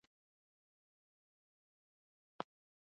د پیسو مدیریت زده کړه اړینه ده.